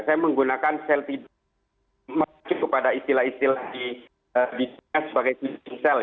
saya menggunakan sel tidur teroris untuk menyebutkan istilah istilah di bismes sebagai sel